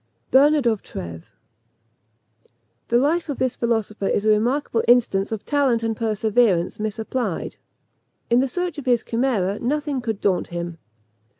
BERNARD OF TREVES. The life of this philosopher is a remarkable instance of talent and perseverance misapplied. In the search of his chimera nothing could daunt him.